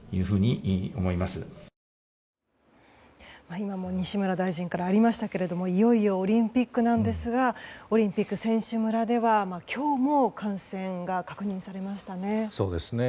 今も、西村大臣からありましたけれどもいよいよオリンピックなんですがオリンピック選手村では今日も感染が確認されましたね。